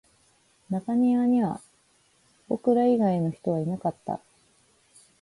中庭には僕ら以外の人はいなかった